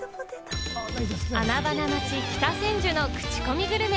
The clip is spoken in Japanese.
穴場の街・北千住のクチコミグルメ。